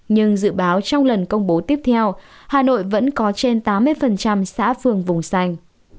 nhưng dự báo trong lần công bố tiếp theo hà nội vẫn có trên tám mươi xã phường vùng xanh